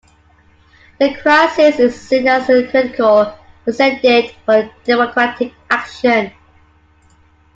The Crisis is seen as a critical precedent for democratic action.